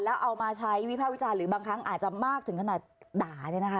แล้วเอามาใช้วิภาควิจารณ์หรือบางครั้งอาจจะมากถึงขนาดด่าเนี่ยนะคะ